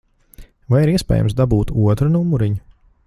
Vai ir iespējams dabūt otru numuriņu?